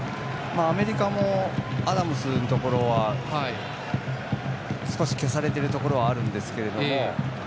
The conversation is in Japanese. アメリカもアダムズのところは少し消されているところはあるんですけれども。